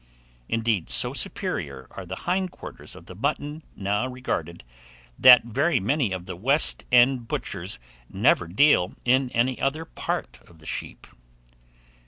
Indeed, so superior are the hind quarters of mutton now regarded, that very many of the West end butchers never deal in any other part of the sheep.